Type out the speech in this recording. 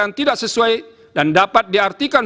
yang tidak sesuai dan dapat diartikan